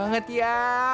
wow menurutku ya